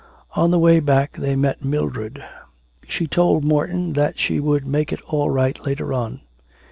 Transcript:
On the way back they met Mildred. She told Morton that she would make it all right later on.